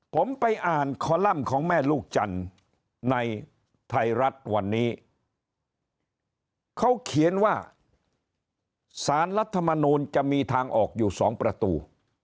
ผมไปอ่านคอลัมป์ของแม่ลูกจันทร์ในไทยรัฐวันนี้เขาเขียนว่าสารรัฐมนูลจะมีทางออกอยู่สองประตู